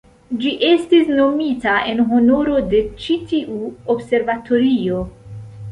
Ĝi estis nomita en honoro de ĉi-tiu observatorio.